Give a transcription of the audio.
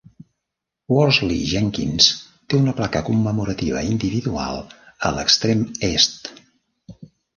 Wolseley-Jenkins té una placa commemorativa individual a l'extrem est.